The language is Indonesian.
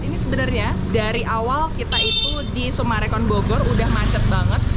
ini sebenarnya dari awal kita itu di sumarekon bogor udah macet banget